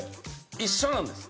一緒なんです。